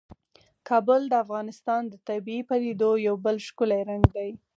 کابل د افغانستان د طبیعي پدیدو یو بل ښکلی رنګ دی.